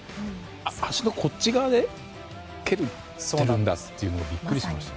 足のこっち側で蹴ってるんだというのにビックリしました。